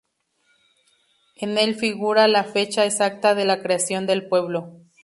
En el figura la fecha exacta de la creación del pueblo.